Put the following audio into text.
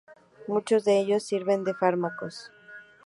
Muchos de ellos sirven de fármacos.